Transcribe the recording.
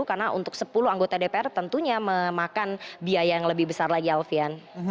karena untuk sepuluh anggota dpr tentunya memakan biaya yang lebih besar lagi alfian